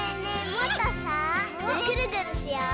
もっとさぐるぐるしよう。